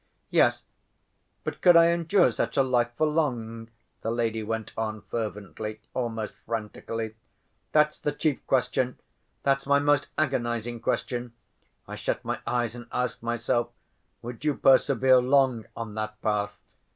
"Yes. But could I endure such a life for long?" the lady went on fervently, almost frantically. "That's the chief question—that's my most agonizing question. I shut my eyes and ask myself, 'Would you persevere long on that path?